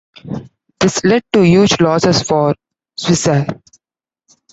This led to huge losses for Swissair.